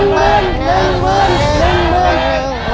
ช่วงสนุก